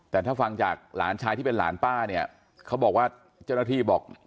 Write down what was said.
แต่ถ้าฟังจากหลานชายที่เป็นหลานป้าเนี่ยเขาบอกว่าเจ้าหน้าที่บอก